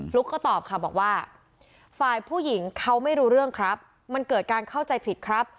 ุ๊กก็ตอบค่ะบอกว่าฝ่ายผู้หญิงเขาไม่รู้เรื่องครับมันเกิดการเข้าใจผิดครับ